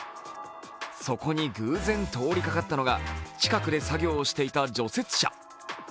そこに偶然通りかかったのが、近くで作業していた除雪車。